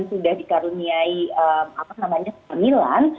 sudah dikaruniai apa namanya pemilang